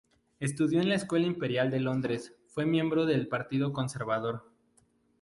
Estudió en la Escuela Imperial de Londres Fue miembro del Partido Conservador.